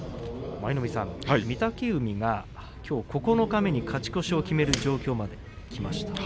舞の海さん、御嶽海がきょう九日目に勝ち越しを決める状況まできました。